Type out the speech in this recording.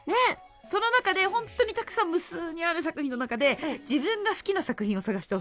その中でホントにたくさん無数にある作品の中で自分が好きな作品を探してほしい。